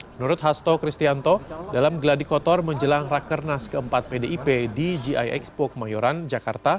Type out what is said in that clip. menurut hasto kristianto dalam geladikotor menjelang rakernas keempat pdip di giek